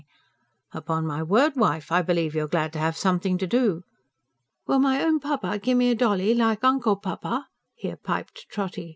"Upon my word, wife, I believe you're glad to have something to do." "Will my own papa gimme a dolly? ... like Uncle Papa?" here piped Trotty.